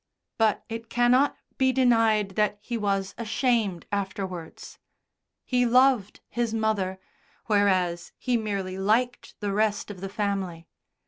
But it cannot be denied that he was ashamed afterwards. He loved his mother, whereas he merely liked the rest of the family.